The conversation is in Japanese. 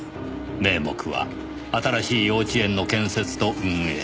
名目は新しい幼稚園の建設と運営。